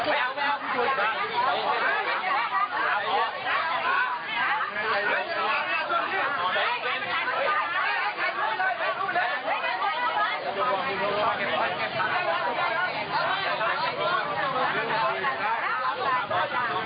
อันนี้คือคลิปแรกที่โปรดได้